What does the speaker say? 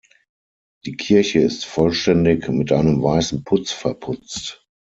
Die Kirche ist vollständig mit einem weißen Putz verputzt.